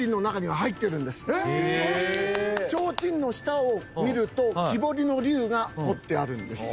提灯の下を見ると木彫りの龍が彫ってあるんです。